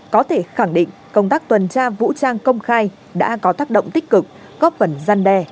có thể khẳng định công tác tuần tra vũ trang công khai đã có tác động tích cực góp phần gian đe